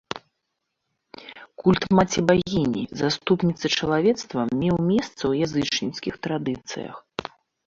Культ маці-багіні, заступніцы чалавецтва, меў месца ў язычніцкіх традыцыях.